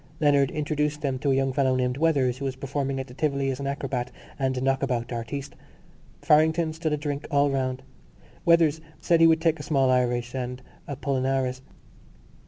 Leonard introduced them to a young fellow named Weathers who was performing at the Tivoli as an acrobat and knockabout artiste. Farrington stood a drink all round. Weathers said he would take a small Irish and Apollinaris.